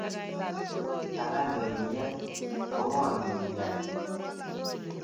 Ara ndimeyai, ko ngo nikinyai?